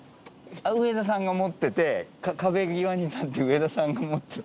上田さんが持ってて壁際に立って上田さんが持ってて。